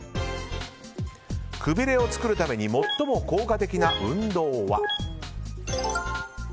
くびれを作るために最も効果的な運動は。